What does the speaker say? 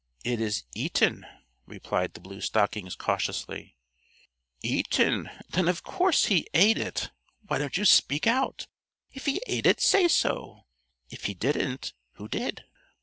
"It is eaten," replied the Blue Stockings cautiously. "Eaten! Then of course he ate it. Why don't you speak out? If he ate it, say so. If he didn't, who did?"